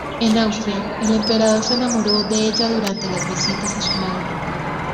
En Austria, el emperador se enamoró de ella durante las visitas a su madre.